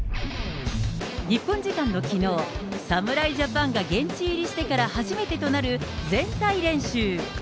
日本時間のきのう、侍ジャパンが現地入りしてから初めてとなる全体練習。